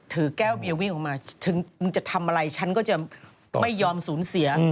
ถือแก้วเบียวิ่งออกมาถึงมึงจะทำอะไรฉันก็จะไม่ยอมสูญเสีย